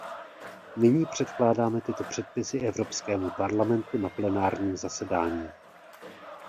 Nyní předkládáme tyto předpisy Evropskému parlamentu na plenárním zasedání.